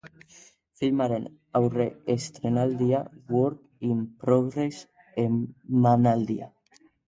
Filmaren aurre-estreinaldia, work in progress emanaldia.